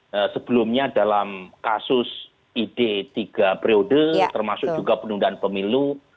karena sebelumnya dalam kasus ide tiga periode termasuk juga penundaan pemilu